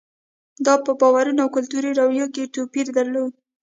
دا په باورونو او کلتوري رویو کې توپیرونه دي.